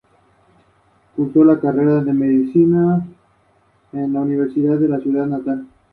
Desempeñó su tarea en Argentina, España y Uruguay.